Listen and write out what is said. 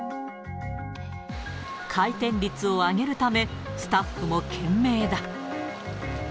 回転率を上げるため、スタッフも懸命だ。